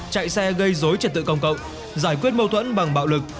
chạy xe gây dối trật tự công cộng giải quyết mâu thuẫn bằng bạo lực